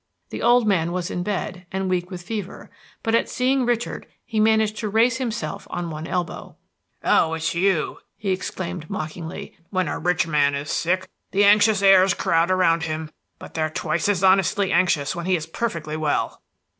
The old man was in bed, and weak with fever, but at seeing Richard he managed to raise himself on one elbow. "Oh, it's you!" he exclaimed, mockingly. "When a rich man is sick the anxious heirs crowd around him; but they're twice as honestly anxious when he is perfectly well."